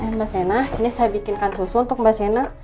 mbak sena ini saya bikinkan susu untuk mbak sena